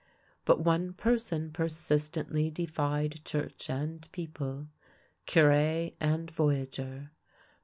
But one person persistently defied church and people, Cure and voyageur.